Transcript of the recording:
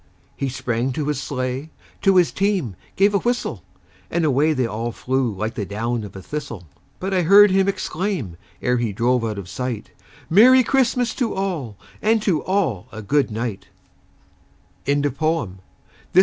He sprang to his sleigh, to his team gave a whistle, And away they all flew like the down of a thistle; But I heard him exclaim, ere he drove out of sight, "Merry Christmas to all, and to all a good night!"